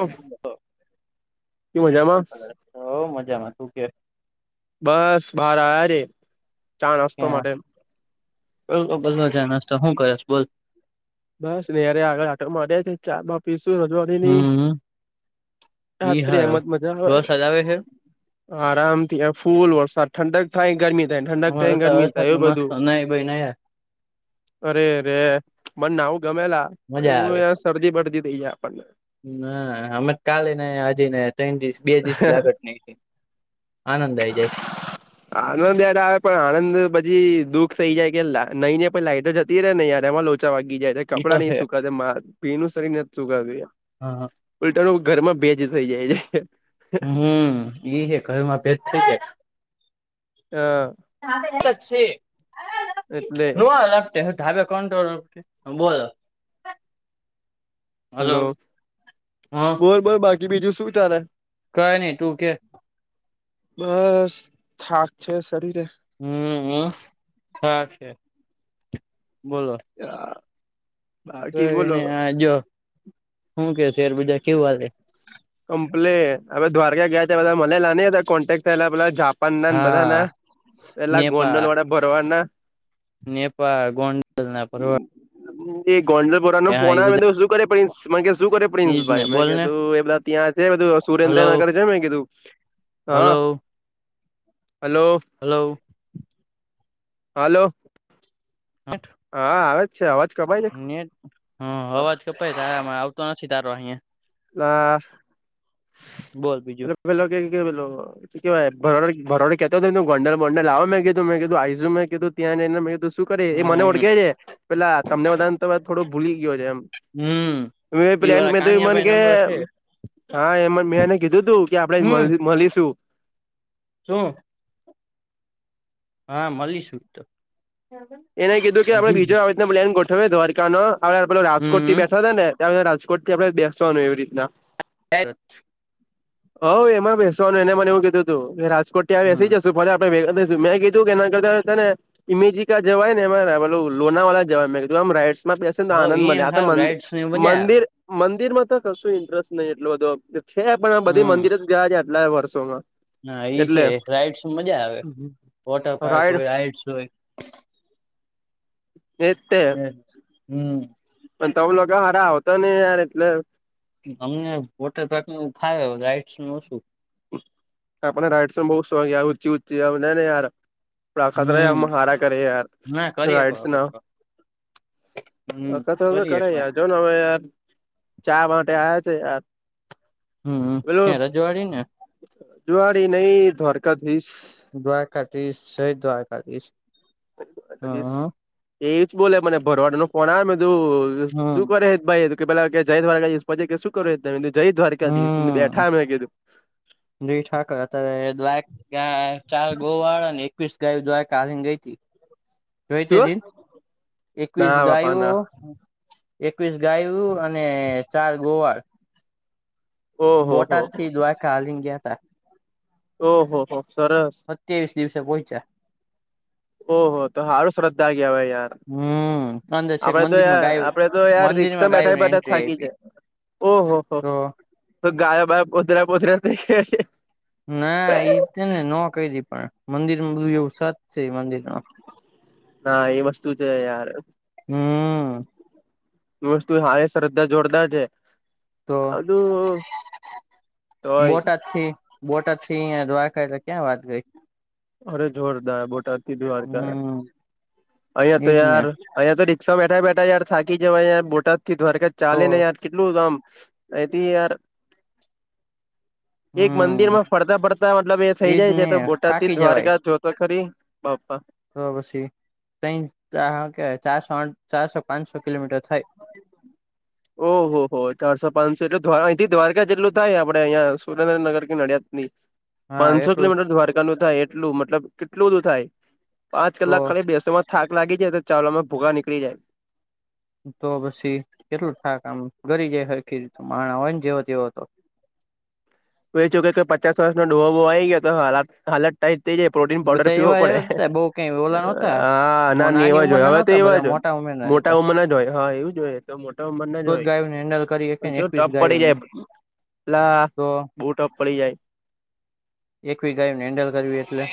ઓ શું શું મજામાં બ મજામાં તું કે બસ બાર હરેે ચા નાસ્તો માટે બ બલો ચાય નાસતો હું કર્યોશ બોલ? બસરે આગળ આટક હમ મળર્યા ઈ હારું છે [unintelligible] વરસાદ આવે છે આરામથી ફૂલ વરસાદ ઠંડક થાય ગરમી થાયને ઠંડક અમારે થાય તો ગરમી વરસાદ થાય એવ મસ્ત બધું નહી ભાઈ નહી અરેરે મનેને આવું મજા ગમેલા સરજી બળજી દઈએ આપણને હ અમે કાલે ને હજી ને ત્રણ દિવસ બે દિવસ લાગત નહી આનંદ આય જાય [inaudible] આનંદ યાર આવે પણ આનંદ પછી દુઃખ થઈ જાય કે નહી ને પણ લાઈટો જતી રહેે ને યાર એમાં લો વાગી જાય ઈ તો કપડાં નહી હે સુકા મા પીનુ શરીર નથી સુકાતુ હા ઉલ્ટા નો ઘરમાં ભેજ થઈ જાય છે. હમ ઈ હે ઘરમાં ભેજ થઈ છે હા એટલે રોવા ધાબે કોણ બોલ હેલો હ બોર બોર બાકી બીજું શું ચાલે? કઈ નહી તું કે બસ થાક છે શરીરે હમ થા છે બોલો હ જો શું કે શેર બજાર કેવું હાલે? કમ્પલેન હવે દ્વારકા ગયા તધા મનેલા કોન્ટેક્ટ થયેલા પેલાપ પ ના ને બધા હા ના પેલા નેપાળ ગોંડલ વાડા ભરવાડના- નેપાળ ગોંડલ ના પરવા- એ ગોંડલપોરાનો હા એ ફોના બધા શું કરે પ્રિન્સ શું કરે પ્રિન્સ એજ ને ભાઈ મે બોલ કે ને તું એ પલા બધું હલો સુરેન્દ્રનગર છે મેને કીધું હા. હલો હલો હલો હાલો [inaudible] હા આવે જ છે અવાજ કપાય છે? [inaudible] હમ અવાજ કપાઈ તારામાં આવતો નથી તારો અહિયાં. ના બોલ બીજું એ ભેલો કે કે બલો કેવાય ભરોડ ભરવાડ કેતોય ત ગોંડલ બોંડલ આવે મે કીધું મે કધું આઈસું મે કધું ત્યાં ને મે કીધું શું કરે એ હા મને એમ ઓળખે છે પેલા તમને બધાને થોડો ભૂલી ગયો છે એમ હમ ઈ વાળા પ્લાન્ટ [unintelligible] કાનિયાભાઈ કે નંબર છે હા એમાં મેં એને કીધું તું કે હમ આપણે મલીશું. શું? હા મલીશું તો એને કીધું કે આપડે હમ બીજો આ રીતે પ્લેન ગોઠવે દ્વારકા નો આપડ પેલો રાજકોટથી હમ બેઠો ત ને- ત રાજકોટ થી આપણે બેસવાનું એવી રીતના સાચ [unintelligible] હ એમાં બેસવાનું એને મને એવું કીધું તું રાજકોટ થી બેસી જશું મેં કી તું કેના કરતા ત ને ઇમે જ- જવાય ને લોના વાા જવાય એકદમ રાઈટ તો હો આનંદ મળ અયા આ તો સારું મંદિર રાઈડ્સ ની મજા મંદિ આવે મંદિરમાં તો કશું ઇન્ટરેસ્ટ નહી એટલું બધો છે પણ આ બધી મંદિર જ ગયા એટલા વર્ષોમાં ના એ છે એટલે રાઈડસ મજા આવે વોટર પાર્ક રાઈડ હોય રાઈડ્સ હોય. એ જ તે એ હમ પણ તમે લોક હારા આવતા નય યાર એટલે અમને વોટરપાક નુ થા હે રાઈડસ નું શું આપણે રાઈડસમાં બહુ શોખ ઊંચી ઊંચી અખતરા ય હમ હારા કરે યાર ના કરી એક રાઇડસ વખત ના તો હમ અ કત તો કરી એક કરે વાર યાર જો ને હવે યાર ચા માટે આવ્યા છે યાર હમ પેલું ત્યાં રજવાવાડી ને જુવાડી નહી ધરકા ધઈસ દ્વાકાત્રીસ છે દ્વાકાત્રીસ પછી એજ બોલે મને ભરવાડ નું ફોન આવે મેધું પુ હમ ભાઈ કે પલા જરાજ જય દ્વારકા દિવસ હમ બેઠાેું જી ઠાક દ્વા ચાર ગો વાળા ને એકવીસ ગાય દ્વા કાલને ગઈ હતી જોઈ તે શું દિન એકવીસ ના બાપા ના ગાયો એકવીસ ગાયું અને ચાર ગોવાર ઓહો હો બોટાદ થી દ્વારકા હાલીને ગયા તા ઓહ હો સરસ સત્યાવીસ દિવસે પોહોંચ્યા ઓહો તો હાારું શ્રદ્ધાાગી હવે યાર હમ અંદર છેક આપડે તો મંદિરમાં યાર ગાયું આપડે તો યાર મંદિરમાં રિક્ષા ગાયું બેઠા ને બેઠા એન્ટ્રી થાકી છે આપી ઓહ હો તો તો ગયાબાયબ પોધર્યા પોધર્યા ના એઈ ને ન કર પણ મંદિર માં બધું એવું સાચ છે મંદિરમાં હા એ વસ્તુ છે યાર હમ વસ્તુ હા શ્રદ્ધા જોરદાર છે તો હદું તોય અછી બોટદ થી અયા ધ્વાખાય તો ક્યાં વાત ગઈ અરે જોરદાર બોટાતી દી વાર ત હમ અહં એજ ને તયાર અહંયા તો રી્ષા બેઠા બેઠા ય થાકી જવા અયા બોા થી ધરજ તો ચાલે ને યાર કેટલું દામ અથી યાર એક મંદિર હમ માં ફરતા ફડતા મતલબ એ થઇ એજ જાય છે ને તો બોટાતી થાકી જવાય દ્વારકા જોતો ખરી બાપ્પા તો પછી ત કેવાય ચારસો આઠ ચારસો પાંચસો કિલોમીટર થાય બ ઓહો હો ચારસો પાંચસો એટલે્વા અહીંથી દ્વારકા જેટલું થાય આપણે અહીંયા સુરેન્દ્રનગર કે નડિયાદ હા પાંચસો એટલું કિલોમીટર દ્વારકા નું થાય એટલું મતલબ કેટલું બધું થાય પાંચ તો કલાક ખાલી બેસવામાં થાક લાગી જાય તો ચાવલા ભોગા નીળીાય તો પછી કેટલું થા કામ ગરી જાય હખી માણ હોય ને જેવો તેવો હતો એું કે પચાસ વર્ષનો ડો બોવા આવી ગયો તો હાલત હાલત તે જ પ્રોટીન પાવડર બધા પીવો એવા પડે એવા જ હતા બઉ કઈ ઓલા નહોતા હા મો નાની એવા જો હોય ઉંમરના હવે તો નહોતા એવા બધા જો હોય મોટા ઉંમરના જ મોટા હતા ઉંમર ના જ હોય હા એવું જોઈય તો મોટા ઉંમર ના તો જ હોય ગાયોને હેન્ડલ કરી હકે પણ ને કેવું એકવીસ ટપ પડી ગાયોને જાય લટલા તો બૂટો પડી જાય એકવી ગાયને હેન્ડલ કરવી એટલે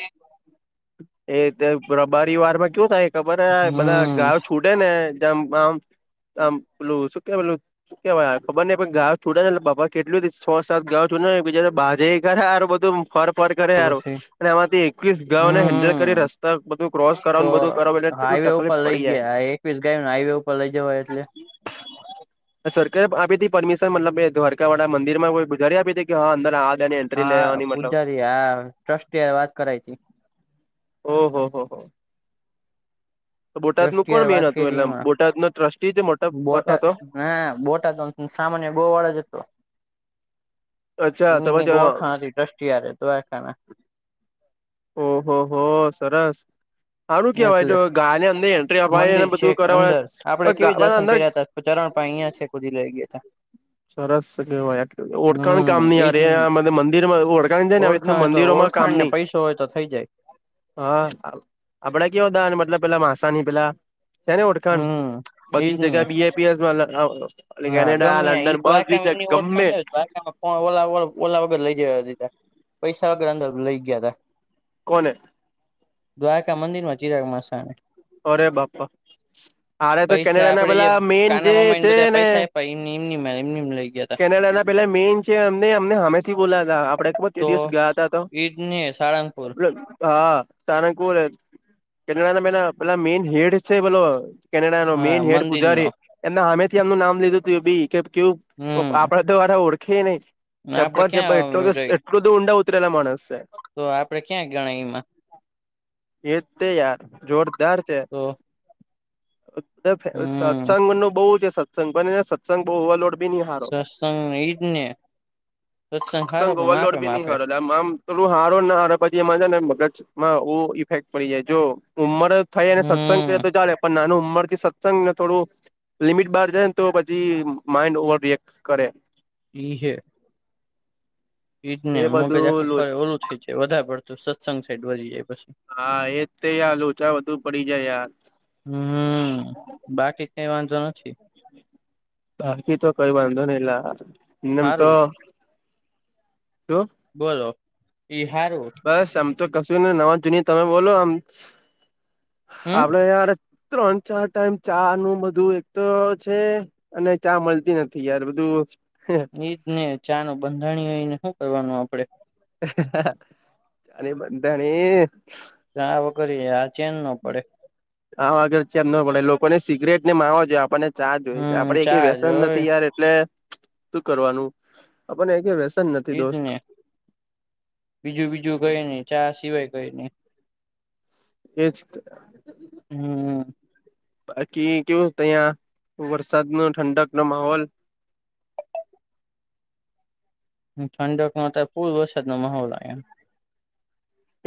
એ રબારી વાર માં કું થાય ખબર હ બધા ગ હમ કુડે ને જેમ આમ આમ પેલું સુકે પેલું કેવાય ખબર ન ગાં છોડે ને બાપા કેટલીું છ સાત ગાં છોડે જયારે બાજે કરરેારું બધું ફર પર તો કરેાર પછી અને એમાંથી એકવીસ હેન્ડલ કરી હમ રસ્તા બધું ક્રોસ તો કરવાનું બધું કર એટલેટલું હાઈવે તકલીફ ઉપર લઈ પડી જાય એકવીસ ગાયનેાઈવે ઉપર લઈ જવાય એટલે [inaudible] સરકારે આપી હતી પરમિશન મતલબ દ્વારકા વાળ મદિરમાં કોઈ બુજારી આપી હતી કે હા અંદર ગાયની એન્ટ્રી હા લેવાની મતલબ પૂજારી હા ટ્રસ્ટ વાત કરાય છે. ઓહ હો હો બોટાદ નું ટ્રસ્ટી કોણ હારે મેન વાત હતું કયરી એટલે એમાં બોટાદ ન ટ્રસ્ટી જે મોટા હતો હા બોટા તો સામાન્ય બો વાળા જતો અચ્છા એની તમે જ કઈ ઓોળખાણ હતી ટ્રસ્ટિય દખ ના ઓહો હો સર સરસ આનું કેહેવાય એટલે જો કાલેની અંદર એન્ટ્રી અપવા મંદિર ને છે બધું કરવા અંદર ઉચારણ પણ અહીયા છે કુદી લઈ ગયા ત સરસ કેવાય ઓળખાણ હમ કામ નહી આ એજ ને રહી મંદિર ઓળખાણ જાય ને આવી રીત મંદિરોમાં કામ વખાણ ને ની પૈસો હોય તો થઈ જાય. હા આપડે કયો હતા મતલબ પેલા માસાની પેલા છે ને ઓળખાણ હમ એજ બધી ને જગ્યા બીએપીએસ વાલા હા ગમ્યા એઈ દ્વારકા એમની ગમે ઓળખાણ. ઓ ઓલા વગર લઈ જવા દિધા પૈસા વગર અંદર લઇ ગયા તા. કોને‌. દ્વારકા મંદિર માં ચિરાગ માસા. અરે બાપા હરે તો પૈસા કેનેડા ના આપડે જે પેલા મેન કાના જે મામા ને છે. બધા પૈસા આપ્યા એમ એમની એમની લઈ ગયા તા કેનેડા ના પેલા મેન છેમ અમને હમેથી બોલાતા આપડે. તો દિવસ ગયા ત તો. ઈજ ને સાળંગપુર હા સાનકુર કેનેડા ના મે પેલા મેન હેડ છે પેલો. કેનેડાનો મેઇન હા હેડ મંદિર નો પૂજારી એમના અમેથી એમનું નામ લીધું તું બી કે કેવું હમ આપડા દરા ઓળખે નહી. આપડે જબ્બર જબ્બર એટલો ક્યાં રહી એટલું ઊંડા ઉતરેલા માણસ છે. તો આપડે ક્યાં ગણાય એમાં એતે યાર જોર. ચાર છે તો હમ સત્સંગનું બહુ છે. સંગ બનીને સત્સંગ બહુવા લો બી હારો સત્સંગ ઈજ ને સત્સંગ હારો ચંગો પણ અલોડ માપે બી ન માપે હારો. આમ થોડું હારો ને હાર પછી એમાં છેને મગજમાં બહુ ઇફેક્ટ પડી જાય જો ઉંમર. થઈ અને સત્સંગ કરીએ હમ તો ચાલે પણ નાનું ઉંમર થી સત્સંગ ને થોડું‌. લિમિટ બહાર જાયને તો પછી માઈન્ડ ઓવર રિએક્ટ કરે. ઈહ ઈજ ને એ મગજ આખું બધું લો ફરે ઓલું થઈ જાય વધારે પડતું સત્સંગ સાઈડ વધી જાય પછી‌. હા એજ યાર ઓછા વધુ પડી જાય યાર. એ પાંચ જણ છે. બાકી તો કઈ વાંધો નઈ લમ તો. હારું શું બોલો ઈહારું‌. બસ આમ તો કશું નવા જુની તમે બોલો આમ હમ આપડે યાર. ત્રણ ચાર ટાઈમ ચા નું બધું એક તો છે. અને ચા મળતી નથી યાર બધું. એ નીજ ને ચા ન બંધારણીયને શું કરવાનું આપડે. ચાને બનધાણી... ચા વગર આ ચેન ન પડે. હા આગળ ચેન ન પડે લોકોને સિગરેટ ને માવા જોઈએ આપણને ચા જોઈ હમ આપડે કઈ ચા વ્યસન જોય નથી યાર. એટલે શું કરવાનું આપણને એ કે એજ ને બીજું બીજું ગય નહ ચા સિવાય ગય નહ એ હમમ. બાકી કેવું તહીયા વરસાદ નો ઠંડક નો માહોલ ઠંડક ના પૂર વરસાદ નો માહોલ આવે.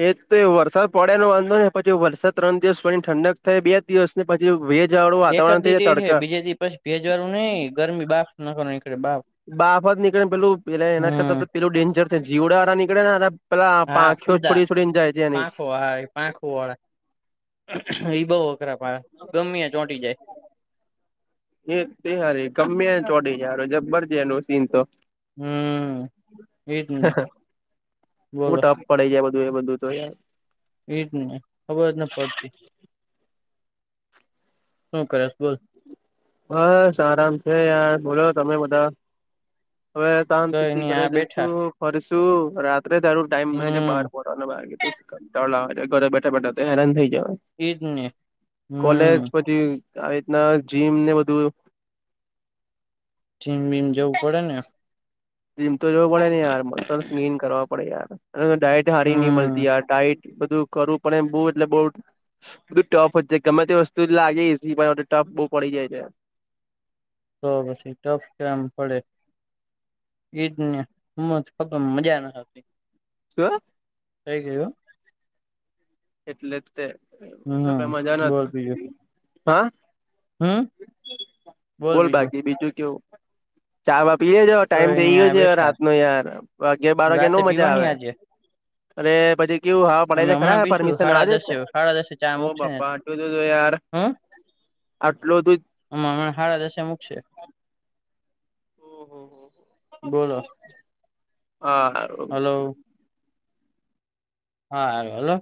એ તો વરસાદ પડે વાંધો ને પછી વરસાદ ત્રણ દિવસ પછી ઠંડક થાય બે. દિવસ ને પછી ભેજ વાળું વાતાવરણ થઈ જાય તડકા. કખજે પ્ર. ભેજ વાળું નહી ગરમી બાપ નાખ ની બાપ. બાહફર નીકળેને પેલું પેલા એના કરતા તો પેલું ડેન્જર છે જીવડા વાળા નીકળે ને. પેલા હા પાંખ્યો ખુદા છોડી છોડીને જાય છે એની. પાંખો હા, પાંખું વાળા એ બહુ અઘરા પ ગમેયા ચોંટી જાય. એ તેયાર ગમેને, ચોડીે યાર! જબબર છેનું સીન તો. હમ એજ ને બોલો ઓટા. પડી જાય, બધું એ બધું તો. એઈ જ ને, ખબર જ ને પડતી. શું કરીશ? બોલ. બસ, આરામ છે યાર. બોલો, તમે બધા હવે? તા કઈ નઈ ઘરે આ જઈશુ, બેઠા ફરશું. રાત્રે તારું ટાઈમ મળે, બાર હમ પહોંચે. ઘરે બેઠા બેઠા તો હૈરાન થઈ જય. એજ ને કોલેજ હમ પછી, આવી રીતના જીમ ને બધું. જીમ બીમ જવું પડે ને. જીમ તો જોવું પડે ને યાર. મસલ્સ ગો કરવા પડે યાર. ડાયટ હારી નહી હમ મળતી. ત ટાઈટ બધું કરું, પણ એમ બહુ એટલે બઉ. બધું ટફ જ છે. ગમે તે વસ્તુ લાગે, પણ ટફ બહુ પડી જાય છે. તો પછી ટફ કેમ પડે? ઈદ ને હ ખબર મજા નાતી. [unintelligible] કઈ ગયું. એટલે તે જો હમ કઈ મજા બોલ બીજું નતી. હા, હમ બોલ બાકી બીજું કેવું છે? ચાવા પીએેજ ટાઈમ કઈ થઈ નઈ ગયો આ છે બેઠા રાત નો યાર. વાગયે બાર વાગ્યાે નો રાતે મજા પીવાની આવે. આજે અરે, પછી કું હા પડે છે ખરા હ પરમિ. ખાડા દસે ખાડા દસે ચા મૂકશે ને, એટલે આટલું બધું યાર હમ. આટલું હ, હમણા હાડા દશે મૂકશે. હમ. બોલો હા. હલો હા, હ, હલો.